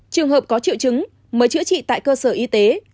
trường hợp có triệu chứng mới chữa trị tại cơ sở y tế